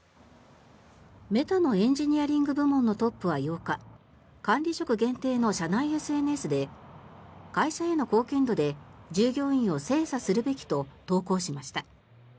メタのエンジニアリング部門のトップは８日管理職限定の社内ＳＮＳで会社への貢献度で従業員を精査するべきと投稿しました。